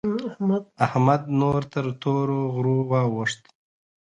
احمد نور تر تورو غرو واوښت.